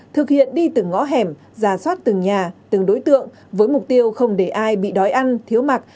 thực hiện đi từ ngõ hẻm rà sót từng nhà từng đối tượng với mục tiêu không để ai bị đói ăn thiếu mặc